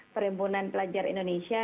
perhimpunan pelajar indonesia